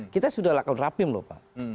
kita sudah lakukan rapim loh pak